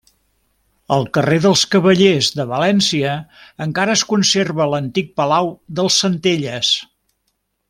Al carrer dels Cavallers de València encara es conserva l'antic palau dels Centelles.